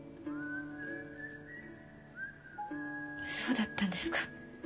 そうだったんですか。